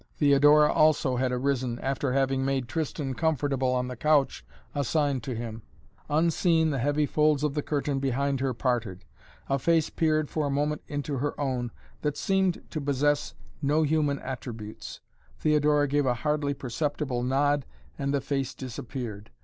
Theodora also had arisen, after having made Tristan comfortable on the couch assigned to him. Unseen, the heavy folds of the curtain behind her parted. A face peered for a moment into her own, that seemed to possess no human attributes. Theodora gave a hardly perceptible nod and the face disappeared.